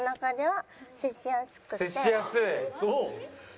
接しやすい。